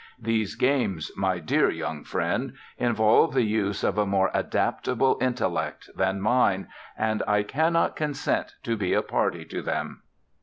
These games, my dear young friend, involve the use of a more adaptable intellect than mine, and I cannot consent to be a party to them.